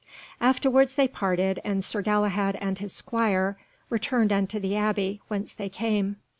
Afterwards they parted, and Sir Galahad and his squire returned unto the Abbey whence they came.